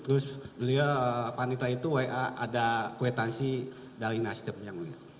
terus beliau panita itu wa ada kuetansi dari nasdem yang mulia